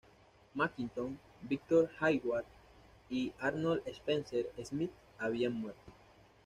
Mackintosh, Victor Hayward y Arnold Spencer-Smith habían muerto.